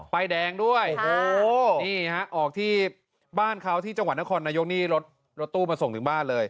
ไปแดงด้วยโอ้โหนี่ฮะออกที่บ้านเขาที่จังหวัดนครนายกนี่รถรถตู้มาส่งถึงบ้านเลย